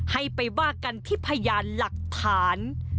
ให้ไปว่ากันที่พยานหลักฐาน